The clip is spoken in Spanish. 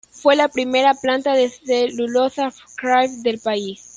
Fue la primera planta de celulosa kraft del país.